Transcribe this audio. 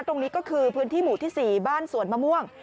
ตรงนี้ก็คือพื้นที่หมู่ที่๔บ้านสวนมะม่วง